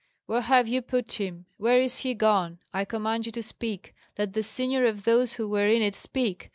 "Where have you put him? Where is he gone? I command you to speak! Let the senior of those who were in it speak!